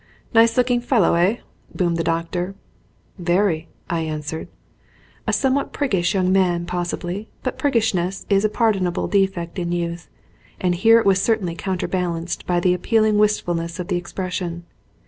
"Nice looking fellow, eh?" boomed the doctor. "Very," I answered. A somewhat priggish young man possibly, but priggishness is a pardonable defect in youth, and here it was certainly counterbalanced by the ap pealing wistfulness of the expression.